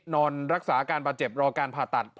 นอนรักษาอาการบาดเจ็บรอการผ่าตัด